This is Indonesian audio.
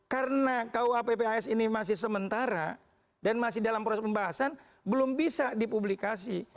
karena koppas ini masih sementara dan masih dalam proses pembahasan belum bisa dipublikasi